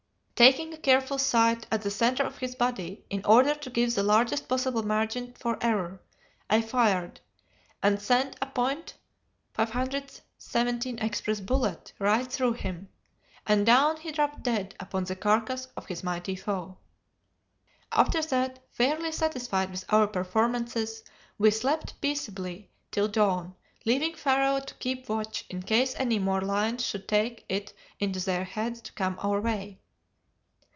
Taking a careful sight at the centre of his body, in order to give the largest possible margin for error, I fired, and sent a.570 express bullet right through him, and down he dropped dead upon the carcass of his mighty foe. "After that, fairly satisfied with our performances, we slept peaceably till dawn, leaving Pharaoh to keep watch in case any more lions should take it into their heads to come our way.